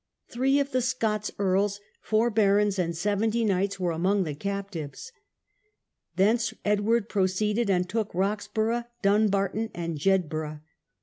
Three of the Scots earls, four barons, and The Conquest Seventy knights were among the captives. ofScoUand. Thence Edward proceeded and took Rox burgh, Dumbarton, and Jedburgh.